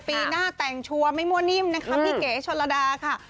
ปีหน้าแต่งชัวร์ไม่มั่วนิ่มนะคะพี่เก๋ชนระดาค่ะ